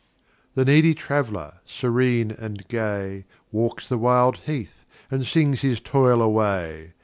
The needy Traveller, serene and gay, Walks the wild Heath, and sings his Toil away.